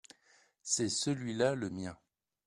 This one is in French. C’est celui-là le mien.